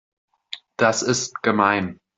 Das ist gemein.